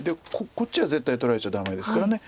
こっちは絶対取られちゃダメですから。